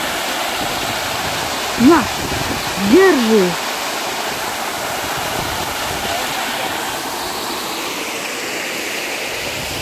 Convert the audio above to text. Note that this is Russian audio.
Сейчас слово имеет представитель Кипра.